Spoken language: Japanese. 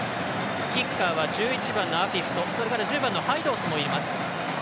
キッカーは１１番のアフィフと１０番のハイドースもいます。